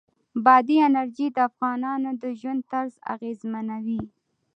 بادي انرژي د افغانانو د ژوند طرز اغېزمنوي.